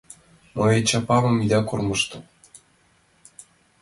Мыйын чапамым ида кормыжтыл!